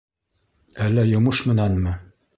— Әллә йомош менәнме?